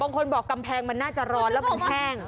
บางคนบอกกำแพงมันน่าจะร้อนแล้วมันแห้ง